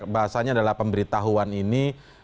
bahasanya adalah pemberitahuan ini